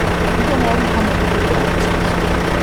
Übermorgen kommt Onkel Bernd zu Besuch.